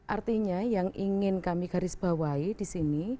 artinya yang ingin kami garisbawahi di sini